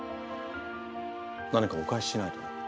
何かお返ししないと。